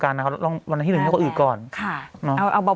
การนะครับลองวันที่หนึ่งให้คนอื่นก่อนค่ะเนอะเอาเอา